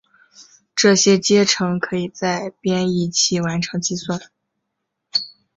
这些阶乘可以在编译期完成计算。